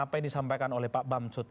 apa yang disampaikan oleh pak bamsud